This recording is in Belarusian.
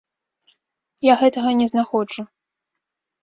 Я гэтага не знаходжу.